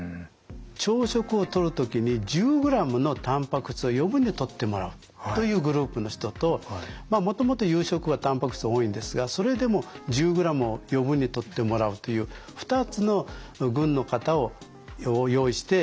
朝食をとる時に１０ｇのたんぱく質を余分にとってもらうというグループの人ともともと夕食はたんぱく質多いんですがそれでも１０ｇを余分にとってもらうという２つの群の方を用意して研究をしました。